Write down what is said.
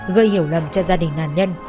gây hiểu lầm cho gia đình nạn nhân